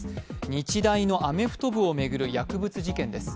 日大のアメフト部を巡る薬物事件です。